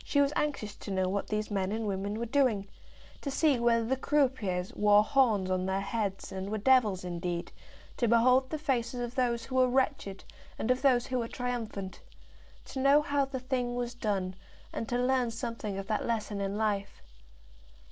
She was anxious to know what these men and women were doing, to see whether the croupiers wore horns on their heads and were devils indeed, to behold the faces of those who were wretched and of those who were triumphant, to know how the thing was done, and to learn something of that lesson in life.